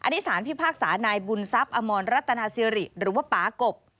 อันนี้สารพิพากษานายบุญทรัพย์อมรรัตนาสิริหรือว่าป๊ากบ